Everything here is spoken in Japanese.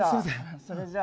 それじゃあ。